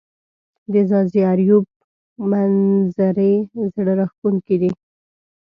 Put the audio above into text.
د ځاځي اریوب منظزرې زړه راښکونکې دي